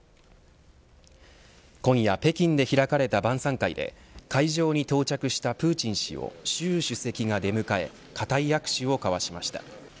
今夜北京で開かれた晩さん会で会場に到着したプーチン氏を習主席が出迎え固い握手を交わしました。